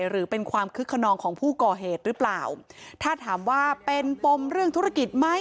หรือเป็นความคึกขนองของผู้ก่อเหตุหรือเปล่าถ้าถามว่าเป็นปมเรื่องธุรกิจไหม